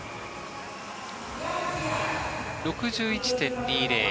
６１．２０。